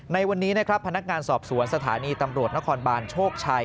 ในวันนี้นะครับพนักงานสอบสวนสถานีตำรวจนครบานโชคชัย